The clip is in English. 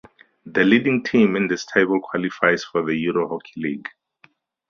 The leading team in this table qualifies for the Euro Hockey League.